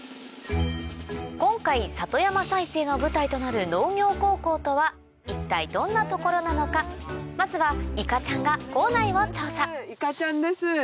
今回里山再生が舞台となる一体どんな所なのかまずはいかちゃんが校内を調査いかちゃんです。